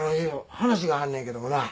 話があんねんけどもなあ。